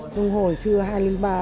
trong hồi trưa hai nghìn ba